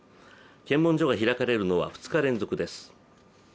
検問所が開かれるのは２日連続です。